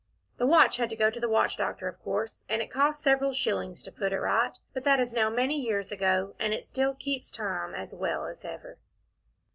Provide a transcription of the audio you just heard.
The watch had to go to a watch doctor, of course, and it cost several shillings to put it right, but that is now many years ago, and it still keeps time as well as ever.